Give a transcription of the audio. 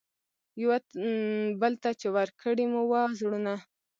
یوه بل ته چي ورکړي مو وه زړونه